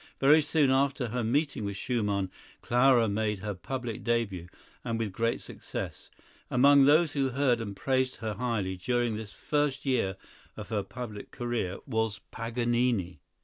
Very soon after her meeting with Schumann, Clara made her public début, and with great success. Among those who heard and praised her highly during this first year of her public career was Paganini.